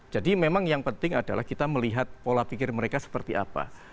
jadi memang yang penting adalah kita melihat pola pikir mereka seperti apa